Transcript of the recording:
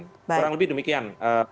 kurang lebih demikian